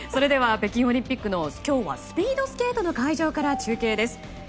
それでは北京オリンピックのスピードスケートの会場から中継です。